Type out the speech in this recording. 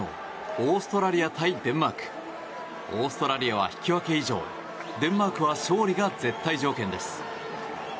オーストラリアは引き分け以上デンマークは勝利が絶対条件です。